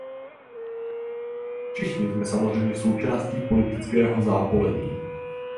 Všichni jsme samozřejmě součástí politického zápolení.